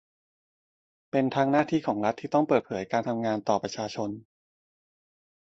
เป็นทั้งหน้าที่ของรัฐที่ต้องเปิดเผยการทำงานต่อประชาชน